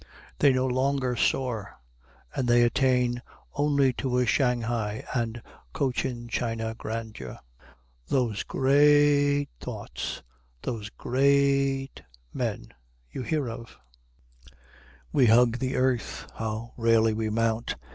They no longer soar, and they attain only to a Shanghai and Cochin China grandeur. Those gra a ate thoughts, those gra a ate men you hear of! We hug the earth, how rarely we mount!